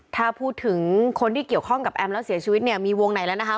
ถ้าพูดถึงคนที่เกี่ยวข้องกับแอมแล้วเสียชีวิตเนี่ยมีวงไหนแล้วนะคะ